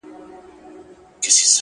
څه وکړمه څنگه چاته ښه ووايم”